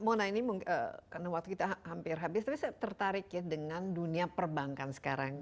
mona ini karena waktu kita hampir habis tapi saya tertarik ya dengan dunia perbankan sekarang